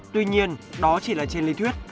tuy nhiên đó chỉ là trên lý thuyết